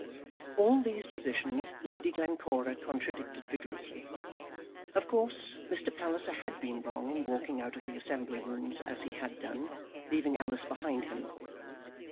All these positions Lady Glencora contradicted vigorously. Of course, Mr. Palliser had been wrong in walking out of the Assembly Rooms as he had done, leaving Alice behind him.